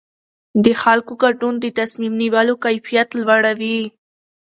د خلکو ګډون د تصمیم نیولو کیفیت لوړوي